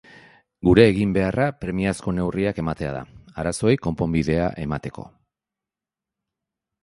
Gure eginbeharra premiazko neurriak ematea da, arazoei konponbidea emateko.